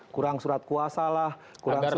kurang surat kuasa lah kurang surat